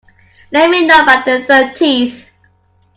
Let me know by the thirteenth.